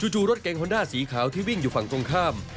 จู่รถเก่งฮอนด้าสีขาวที่วิ่งอยู่ฝั่งตรงข้าม